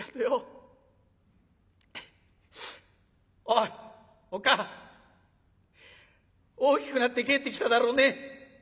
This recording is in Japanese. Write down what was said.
おいおっ母ぁ大きくなって帰ってきただろうね」。